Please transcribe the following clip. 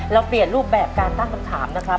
เราเปลี่ยนรูปแบบการตั้งคำถามนะครับ